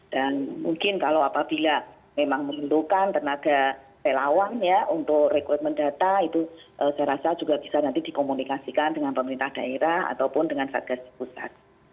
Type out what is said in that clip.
dan mungkin kalau apabila memang memerlukan tenaga pelawannya untuk requirement data itu saya rasa juga bisa nanti dikomunikasikan dengan pemerintah daerah ataupun dengan satgas di pusat